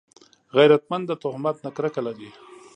غیرتمند د تهمت نه کرکه لري